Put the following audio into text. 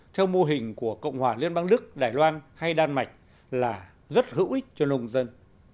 theo mô hình của cộng hòa liên bang đức đài loan hay đan mạch là rất hữu ích cho nông dân